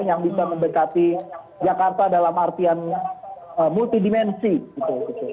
yang bisa mendekati jakarta dalam artian multidimensi gitu